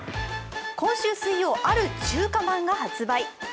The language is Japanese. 今週水曜、ある中華まんが発売。